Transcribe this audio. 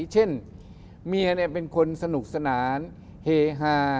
เช่นเมียเป็นคนสนุกสนานเฮฮา